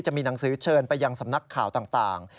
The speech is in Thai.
จะมีหนังสือเชิญไปยังสำนักข่าวต่าง